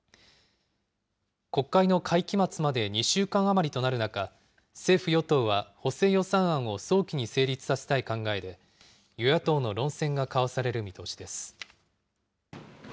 国会の会期末まで２週間余りとなる中、政府・与党は補正予算案を早期に成立させたい考えで、与野党の論戦が交わされる見通しです。